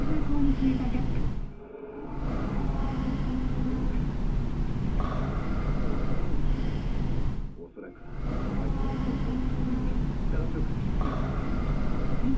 そうか切り裂きジャックは体を炎に変化させおそらくは狭い煙突をくぐり抜け暖炉から室内へ潜入した。